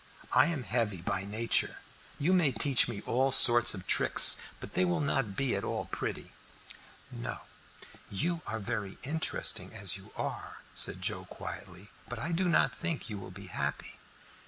I am heavy by nature. You may teach me all sorts of tricks, but they will not be at all pretty." "No, you are very interesting as you are," said Joe quietly. "But I do not think you will be happy."